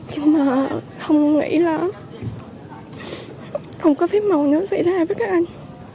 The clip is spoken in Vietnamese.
nhưng mà không nghĩ là không có phép màu nó xảy ra với các anh